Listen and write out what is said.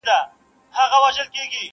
له ارغوان تر لاله زار ښکلی دی؛